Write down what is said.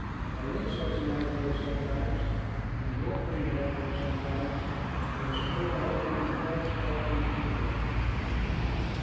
A lynx has an idea sometimes, and a wolverine has one sometimes, but a squirrel has one twice as often as a boy."